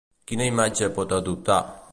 Quina imatge pot adoptar?